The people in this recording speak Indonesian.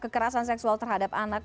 kekerasan seksual terhadap anak